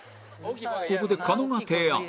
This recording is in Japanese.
ここで狩野が提案